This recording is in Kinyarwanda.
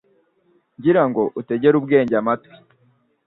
gira ngo utegere ubwenge amatwi